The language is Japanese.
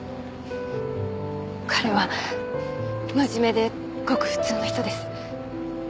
彼は真面目でごく普通の人です。